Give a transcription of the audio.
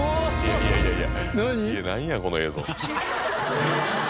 いやいやいや